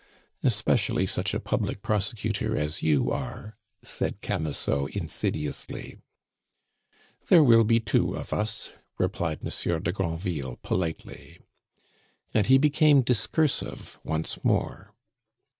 "Especially such a public prosecutor as you are," said Camusot insidiously. "There will be two of us," replied Monsieur de Granville politely. And he became discursive once more.